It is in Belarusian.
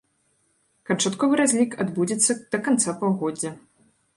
Канчатковы разлік адбудзецца да канца паўгоддзя.